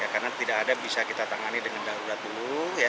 karena tidak ada bisa kita tangani dengan darurat dulu